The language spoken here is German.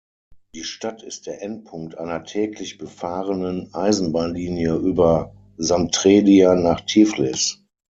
Die Stadt ist der Endpunkt einer täglich befahrenen Eisenbahnlinie über Samtredia nach Tiflis.